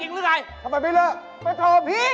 มึงไม่เลิกจริงรึไง